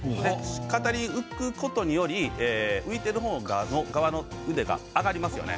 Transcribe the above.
片輪浮くことにより浮いてる側の腕が上がりますよね。